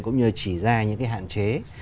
cũng như là chỉ ra những cái hạn chế